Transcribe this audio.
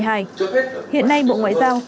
hiện nay bộ ngoại giao